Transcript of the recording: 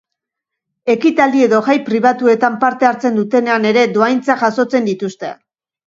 Ekitaldi edo jai pribatuetan parte hartzen dutenean ere dohaintzak jasotzen dituzte.